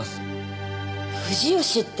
藤吉って。